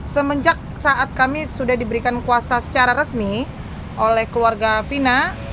semenjak saat kami sudah diberikan kuasa secara resmi oleh keluarga fina